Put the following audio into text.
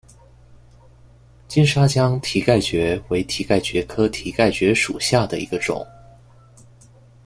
金沙江蹄盖蕨为蹄盖蕨科蹄盖蕨属下的一个种。